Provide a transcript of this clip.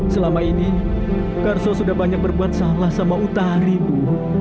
selama ini karso sudah banyak berbuat salah sama utarimu